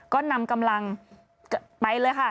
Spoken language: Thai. ก็นำกำลังไปเลยค่ะ